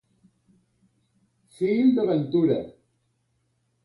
Fill de ventura.